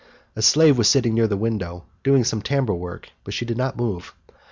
A slave was sitting near the window, doing some tambour work, but she did not move.